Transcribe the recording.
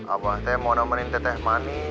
abah mau nomerin teteh manis